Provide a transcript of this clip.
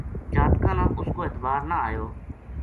جاتکاں نا اس کو اعتبار نہ آیو